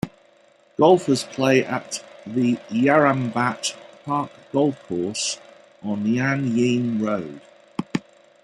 Golfers play at the Yarrambat Park Golf Course on Yan Yean Road.